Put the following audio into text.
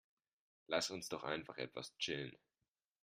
Lass uns doch einfach etwas chillen.